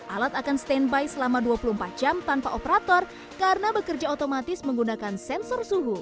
alat akan standby selama dua puluh empat jam tanpa operator karena bekerja otomatis menggunakan sensor suhu